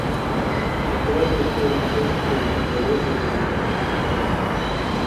У тэатры ставіліся оперы, балеты і драматычныя спектаклі.